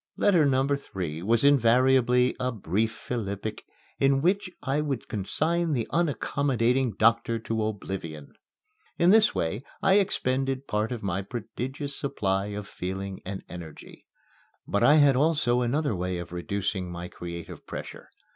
Letter number three was invariably a brief philippic in which I would consign the unaccommodating doctor to oblivion. In this way I expended part of my prodigious supply of feeling and energy. But I had also another way of reducing my creative pressure.